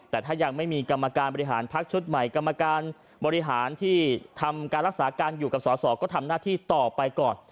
แต่ถ้ายังไม่มีกรรมการบริหารพักชุดใหม่กรรมการบริหารที่ทำการรักษาการอยู่กับสอสอก็ทำหน้าที่ต่อไปก่อน